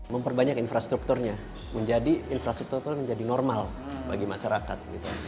memperbanyak infrastrukturnya menjadi infrastruktur menjadi normal bagi masyarakat